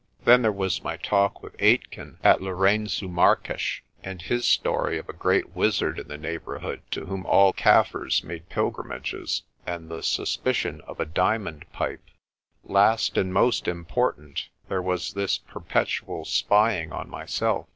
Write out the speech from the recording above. Then there was my talk with BLAAUWILDEBEESTEFONTEIN 53 Aitken at Lourengo Marques, and his story of a great wizard in the neighbourhood to whom all Kaffirs made pilgrimages, and the suspicion of a diamond pipe. Last and most impor tant, there was this perpetual spying on myself.